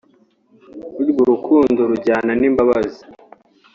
Burya urukundo rujyana n’imbabazi